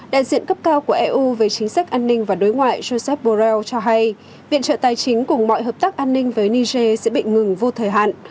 đại diện cấp cao của eu về chính sách an ninh và đối ngoại joseph borrell cho hay viện trợ tài chính cùng mọi hợp tác an ninh với niger sẽ bị ngừng vô thời hạn